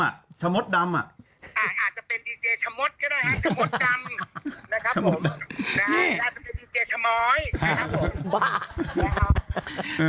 อาจจะเป็นดีเจชะมดก็ได้อาจจะเป็นดีเจชะม้อยนะครับผม